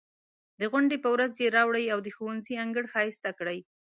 د غونډې په ورځ یې راوړئ او د ښوونځي انګړ ښایسته کړئ.